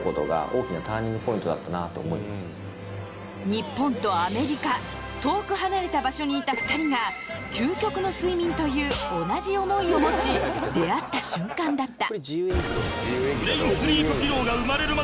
日本とアメリカ遠く離れた場所にいた２人が究極の睡眠という同じ思いを持ち出会った瞬間だった。